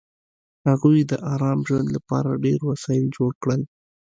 هغوی د ارام ژوند لپاره ډېر وسایل جوړ کړل